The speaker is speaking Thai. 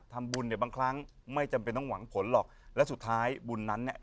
ทำบุญเนี่ยบางครั้งไม่จำเป็นต้องหวังผลหรอกและสุดท้ายบุญนั้นเนี่ย